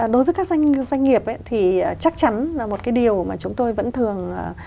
đối với các doanh nghiệp thì chắc chắn là một cái điều mà chúng tôi vẫn thường